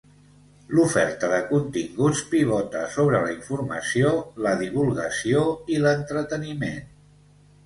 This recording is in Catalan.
L'oferta de continguts pivota sobre la informació, la divulgació i l'entreteniment.